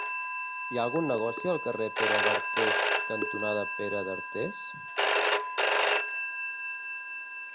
Hi ha algun negoci al carrer Pere d'Artés cantonada Pere d'Artés?